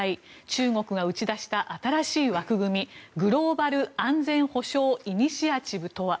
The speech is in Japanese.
中国が打ち出した新しい枠組みグローバル安全保障イニシアチブとは？